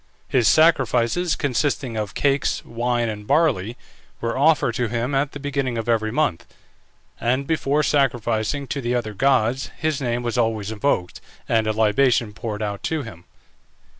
His sacrifices, consisting of cakes, wine, and barley, were offered to him at the beginning of every month; and before sacrificing to the other gods his name was always invoked, and a libation poured out to him.